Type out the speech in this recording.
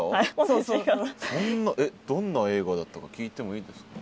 そんなえっどんな映画だったか聞いてもいいですか？